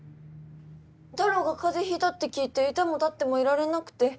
たろーが風邪ひいたって聞いて居ても立ってもいられなくて。